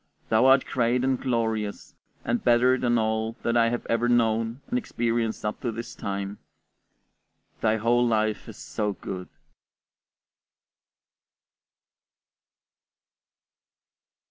Thou art great and glorious, and better than all that I have ever known and experienced up to this time. Thy whole life is so good!